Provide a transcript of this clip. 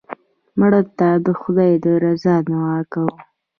مړه ته د خدای د رضا دعا کوو